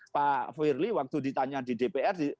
pak firly waktu ditanya di dpr